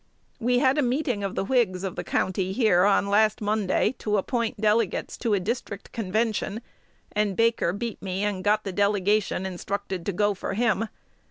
We had a meeting of the Whigs of the county here on last Monday to appoint delegates to a district convention; and Baker beat me, and got the delegation instructed to go for him.